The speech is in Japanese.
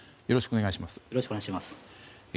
よろしくお願いします。